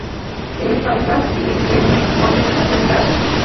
এই তালিকা সিআইএর most wanted আসামিরা আছে।